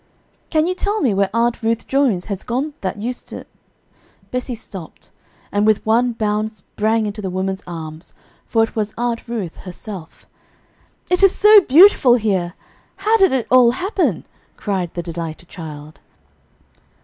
"] "Can you tell me where Aunt Ruth Jones has gone that used to" Bessie stopped, and with one bound sprang into the woman's arms, for it was Aunt Ruth herself. "It is so beautiful here! how did it all happen?" cried the delighted child.